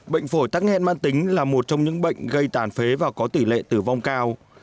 bệnh phổi tắc nghẽn mang tính là một trong những bệnh gây tàn phế và có tỷ lệ tử vong cao